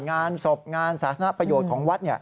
งานศพงานสาธารณประโยชน์ของวัด